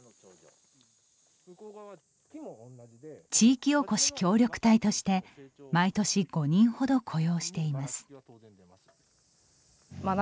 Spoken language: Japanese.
地域おこし協力隊として毎年５人ほど雇用しています。